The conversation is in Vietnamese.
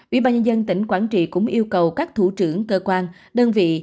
ủy ban nhân dân tỉnh quảng trị cũng yêu cầu các thủ trưởng cơ quan đơn vị